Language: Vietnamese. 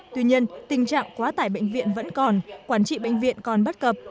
tuy nhiên tình trạng quá tải bệnh viện vẫn còn quản trị bệnh viện còn bất cập